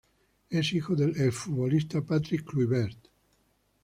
Es hijo del exfutbolista Patrick Kluivert.